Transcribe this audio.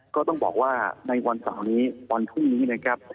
ก็ต้องบอกว่าในวันเสาร์นี้วันพรุ่งนี้นะครับ